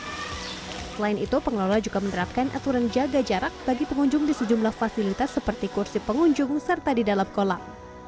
selain itu pengelola juga menerapkan aturan jaga jarak bagi pengunjung di sejumlah fasilitas seperti kursi pengunjung serta di dalam kolam